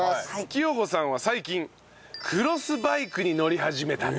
聖子さんは最近クロスバイクに乗り始めた。